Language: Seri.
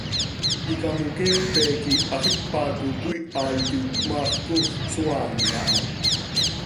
Icamoqueepe quih hax ipac oo cöiiha iti, cmaax coox cösoaan caha.